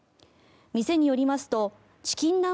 店によりますとチキン南蛮